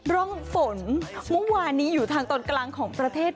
ร่องฝนเมื่อวานนี้อยู่ทางตอนกลางของประเทศ